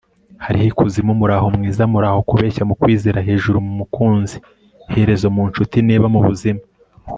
hariho ikuzimu muraho, mwiza muraho, kubeshya mu kwizera, hejuru mu mukunzi, iherezo mu nshuti, niba mu buzima